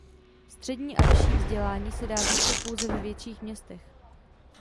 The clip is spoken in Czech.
Střední a vyšší vzdělání se dá získat pouze ve větších městech.